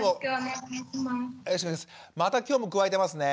また今日もくわえてますね。